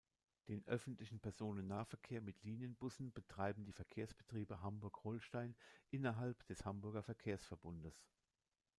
Den öffentlichen Personennahverkehr mit Linienbussen betreiben die Verkehrsbetriebe Hamburg-Holstein innerhalb des Hamburger Verkehrsverbundes.